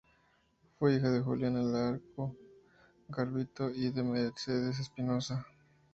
Fue hija de Julián Alarco Garavito y de Mercedes Espinoza.